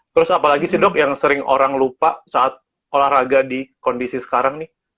terus apalagi sih dok yang sering orang lupa saat olahraga di kondisi sekarang nih